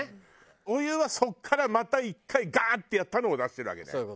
お湯はそこからまた１回ガーッてやったのを出してるわけね。